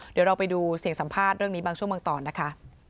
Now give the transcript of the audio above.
เดี๋ยวเราไปดูเสียงสัมภาษณ์เรื่องนี้บางช่วงบางตอนนะคะ